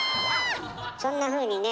そんなふうにね